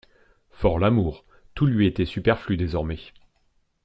Fors l'amour, tout lui était superflu désormais.